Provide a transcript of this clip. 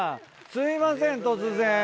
すいません突然。